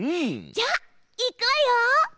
じゃいくわよ。